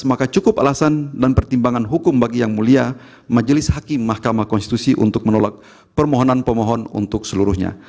maka cukup alasan dan pertimbangan hukum bagi yang mulia majelis hakim mahkamah konstitusi untuk menolak permohonan pemohon untuk seluruhnya